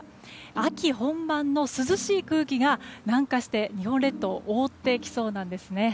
秋本番の涼しい空気が南下して日本列島を覆ってきそうなんですね。